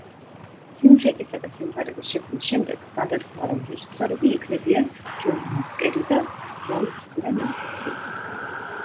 სიუჟეტისა და სიმღერების შექმნის შემდეგ გადაწყდა, რომ რეჟისორები იქნებიან ჯონ მასკერი და რონ კლემენტსი.